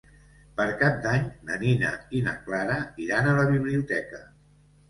Per Cap d'Any na Nina i na Clara iran a la biblioteca.